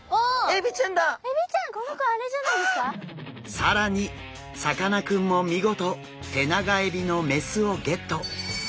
更にさかなクンも見事テナガエビの雌をゲット！